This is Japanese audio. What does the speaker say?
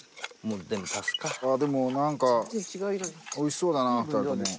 でもなんかおいしそうだな２人とも。